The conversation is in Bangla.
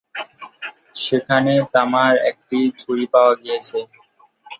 সেখানে তামার একটি ছুরি পাওয়া গিয়েছে।